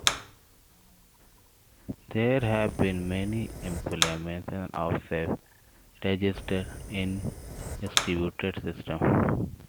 There have been many implementations of safe register in distributed systems.